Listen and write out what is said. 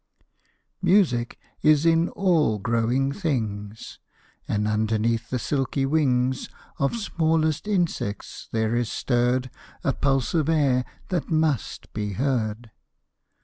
Music is in all growing things; And underneath the silky wings Of smallest insects there is stirred A pulse of air that must be heard.